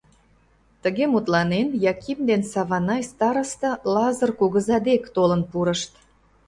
Тыге мутланен, Яким ден Саванай староста Лазыр кугыза дек толын пурышт.